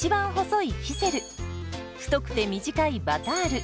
太くて短いバタール。